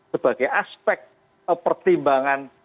sebagai aspek pertimbangan